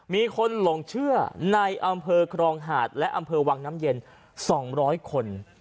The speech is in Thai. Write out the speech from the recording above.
มีคนหลงเชื่อในอำเภอครองหาดและอำเภอวังน้ำเย็น๒๐๐คน